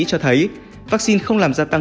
cho thấy vaccine không làm gia tăng